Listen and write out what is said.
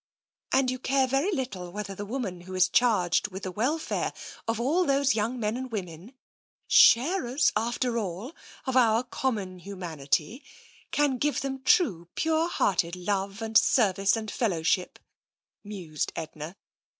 " And you care very little whether the woman who is charged with the welfare of all those young men and women — sharers, after all, of our common hu manity — can give them true, pure heafted love and service and fellowship," mused Edna.